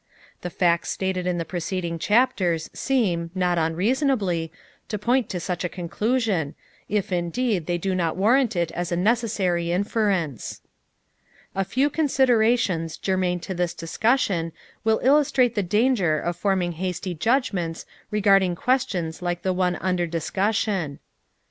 The facts stated in the preceding chapters seem, not unreasonably, to point to such a conclusion, if, indeed, they do not warrant it as a necessary inference. A few considerations germane to this discussion will illustrate the danger of forming hasty judgments regarding questions like the one under discussion.